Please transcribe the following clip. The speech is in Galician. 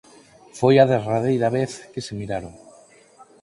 Foi a derradeira vez que se miraron.